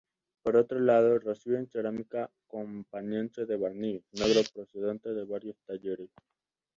Por otro lado, reciben cerámica campaniense de barniz negro procedente de varios talleres.